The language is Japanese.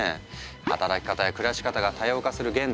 働き方や暮らし方が多様化する現代。